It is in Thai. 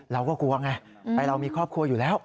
เราก็กลัวไงไปเรามีครอบครัวอยู่แล้ว